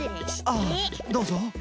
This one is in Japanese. ああどうぞ。